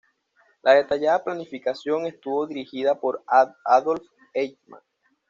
La detallada planificación estuvo dirigida por Adolf Eichmann.